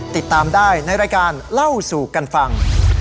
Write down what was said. ติดตามได้ในรายการเล่าสู่กันฟัง